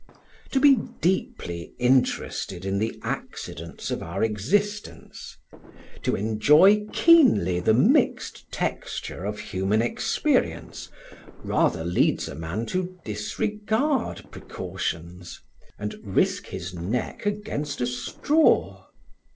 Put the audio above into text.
To be deeply interested in the accidents of our existence, to enjoy keenly the mixed texture of human experience, rather leads a man to disregard precautions, and risk his neck against a straw.